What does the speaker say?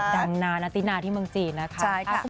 ดังนานอะติดนานที่เมืองจีนนะคะใช่ค่ะ